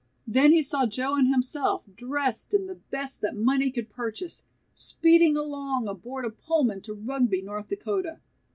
Then he saw Joe and himself dressed in the best that money could purchase, speeding along aboard a Pullman to Rugby, North Dakota.